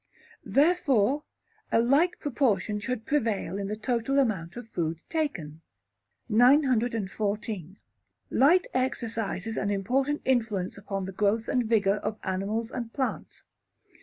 Therefore, a like proportion should prevail in the total amount of food taken. 914. Sunshine. Light exercises an important influence upon the growth and vigour of animals and plants.